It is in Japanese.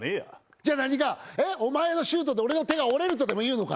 じゃあ何か、お前のシュートで俺の手が折れるとでも言うのか？